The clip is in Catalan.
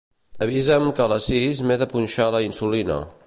Avisa'm que a les sis m'he de punxar la insulina.